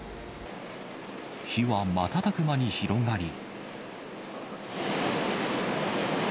火は瞬く間に広がり。